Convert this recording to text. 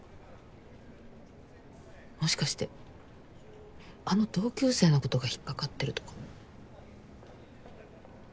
もしかしてあの同級生のことが引っかかってるとか？